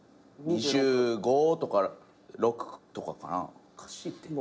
２５とか２６とかかな。